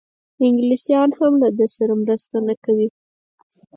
انګلیسیان هم له ده سره مرسته نه کوي.